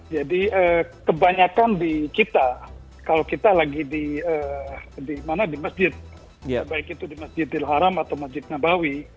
jadi kebanyakan di kita kalau kita lagi di masjid baik itu di masjidil haram atau masjid nabawi